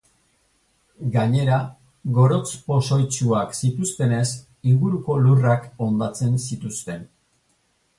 Gainera, gorotz pozoitsuak zituztenez inguruko lurrak hondatzen zituzten.